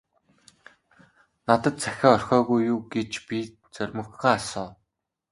- Надад захиа орхиогүй юу гэж би зоримогхон асуув.